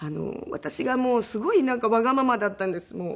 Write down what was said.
私がもうすごいなんかわがままだったんですもう。